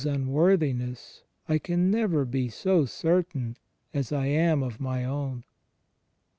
imworthiness I can never be so certain as I am of my own.